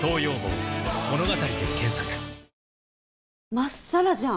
真っさらじゃん。